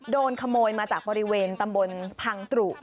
โดนขโมยมาจากบริเวณตำบลพังตรุ